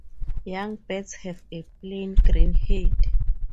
Young birds have a plain green head.